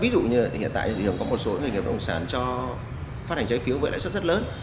ví dụ như hiện tại thị trường có một số doanh nghiệp bất động sản cho phát hành trái phiếu với lãi suất rất lớn